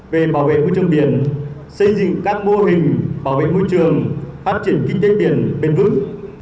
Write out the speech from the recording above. về bảo vệ môi trường biển xây dựng các mô hình bảo vệ môi trường phát triển kinh tế biển bền vững